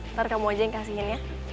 ntar kamu aja yang kasihin ya